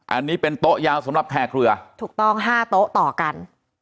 อันนี้เป็นโต๊ะยาวสำหรับแคร์เครือถูกต้อง๕โต๊ะต่อกัน